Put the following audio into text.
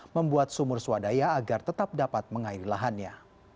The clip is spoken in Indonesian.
membuat sumur swadaya agar tetap dapat mengairi lahannya